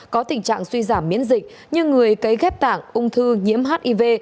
có tình trạng suy giảm miễn dịch như người cấy ghép tạng ung thư nhiễm hiv